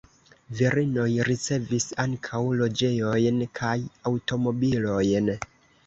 Virinoj ricevis ankaŭ loĝejojn kaj aŭtomobilojn.